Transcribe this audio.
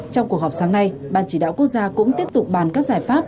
trong cuộc họp sáng nay ban chỉ đạo quốc gia cũng tiếp tục bàn các giải pháp